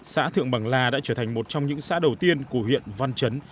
xã thượng bằng la đã trở thành một trong những xã đầu tiên của huyện văn chấn